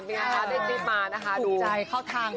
เป็นไงคะได้จิ๊บมานะคะ